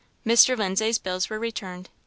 Mr. Lindsay's bills were returned. Mr.